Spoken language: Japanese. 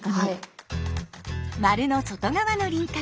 丸の外側の輪郭。